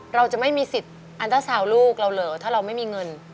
เราจะไม่มีสิทธิ์อันตราซาวน์ลูกเราเหรอถ้าเราไม่มีเงิน